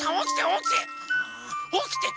おきて！